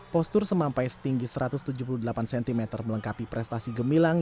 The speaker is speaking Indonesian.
postur semampai setinggi satu ratus tujuh puluh delapan cm melengkapi prestasi gemilang